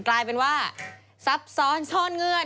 กลายเป็นว่าซับซ้อนซ่อนเงื่อน